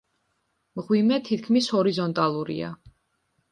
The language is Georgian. მღვიმე თითქმის ჰორიზონტალურია.